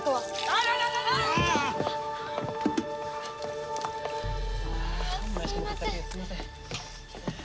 ああすいません。